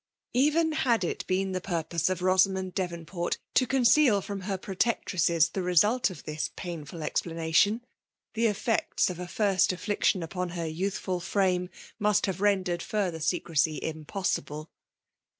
Even had it been the purpose of Bosamond Devonport to conceal from her protectresses the results of this painful iexplanation, the effects of a first affliction upon her youthful frame must have rendered further secresy im possible.